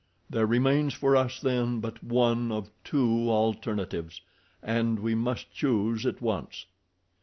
There remains for us, then, but one of two alternatives, and we must choose at once.